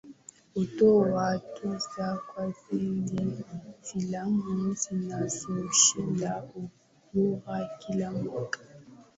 Hutoa tuzo kwa zile filamu zinazoshinda ubora kila mwaka